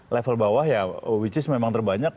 level bawah ya which is memang terbanyak